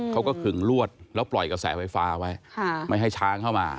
ขึงลวดแล้วปล่อยกระแสไฟฟ้าไว้ไม่ให้ช้างเข้ามา